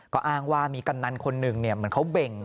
ก็อ้างว่ามีกำนันคนหนึ่งเหมือนเขาเบ่ง